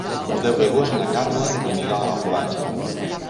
El deu d'agost na Carla anirà a la platja.